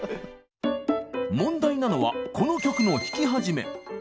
問題なのはこの曲の弾き始め。